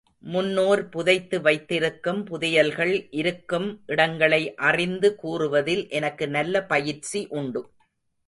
முன்னோர் புதைத்து வைத்திருக்கும் புதையல்கள் இருக்கும் இடங்களை அறிந்து கூறுவதில் எனக்கு நல்ல பயிற்சி உண்டு.